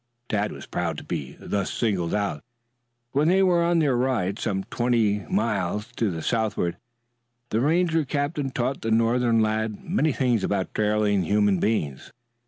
Tad was proud to be thus singled out. While they were on their ride, some twelve miles to the southward, the Ranger captain taught the northern lad many things about trailing human beings.